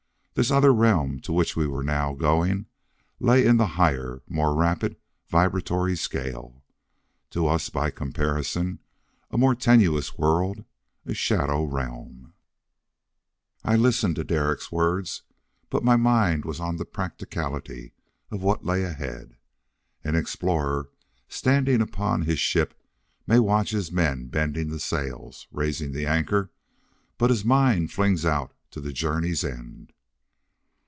This other realm to which we were now going lay in the higher, more rapid vibratory scale. To us, by comparison, a more tenuous world, a shadow realm. I listened to Derek's words, but my mind was on the practicality of what lay ahead. An explorer, standing upon his ship, may watch his men bending the sails, raising the anchor, but his mind flings out to the journey's end....